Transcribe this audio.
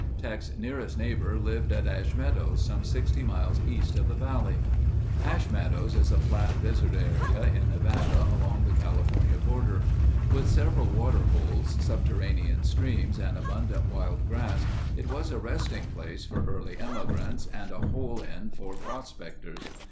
Teck's nearest neighbor lived at Ash Meadows about 60 miles east of the valley. Ash Meadows is a flat desert area in Nevada along the California border. With several water holes, subterranean streams, and abundant wild grass it was a resting place for early emigrants and a hole in for prospectors.